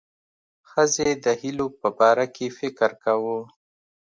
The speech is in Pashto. ښځې د هیلو په باره کې فکر کاوه.